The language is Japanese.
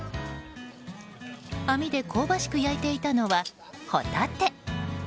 網で香ばしく焼いていたのはホタテ。